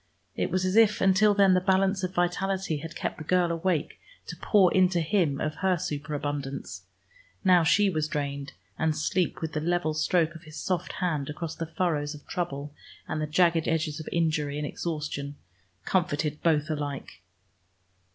It was as if until then the balance of vitality had kept the girl awake to pour into him of her superabundance: now she was drained, and sleep with the level stroke of his soft hand across the furrows of trouble and the jagged edges of injury and exhaustion comforted both alike.